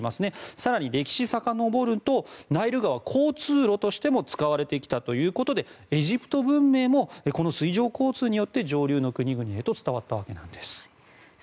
更に歴史をさかのぼるとナイル川は交通路としても使われてきたということでエジプト文明もこの水上交通によって上流の国々へと伝わったわけなんです。